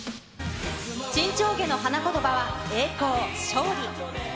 沈丁花の花言葉は、栄光、勝利。